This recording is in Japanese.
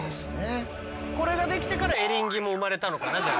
これができてからエリンギも生まれたのかなじゃあ。